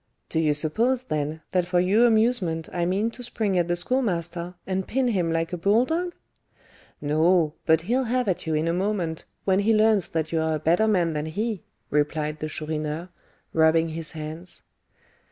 "Do you suppose, then, that for your amusement I mean to spring at the Schoolmaster, and pin him like a bull dog?" "No, but he'll have at you in a moment, when he learns that you are a better man than he," replied the Chourineur, rubbing his hands.